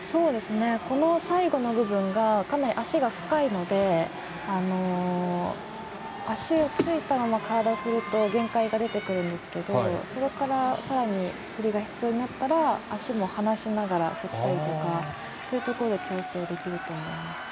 この最後の部分がかなり足が深いので足をついたまま体を振ると限界が出てくるんですけどそれから、さらに振りが必要になったら足も離しながら振っていったりとかそういうところで調整できると思います。